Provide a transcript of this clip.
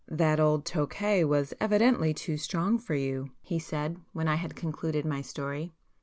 "That old Tokay was evidently too strong for you!" he said, when I had concluded my story.